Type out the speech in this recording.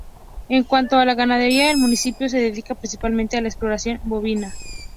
En cuanto a la ganadería, el municipio se dedica principalmente a la explotación bovina.